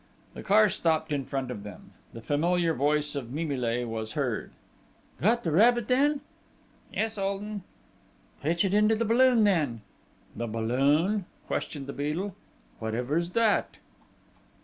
The car stopped in front of them. The familiar voice of Mimile was heard: "Got the rabbit then?" "Yes, old 'un!" "Pitch it into the balloon then!" "The balloon?" questioned the Beadle. "Whatever's that?"